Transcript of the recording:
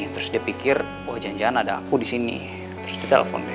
terus dia pikir wah jangan jangan ada aku di sini terus dia telepon deh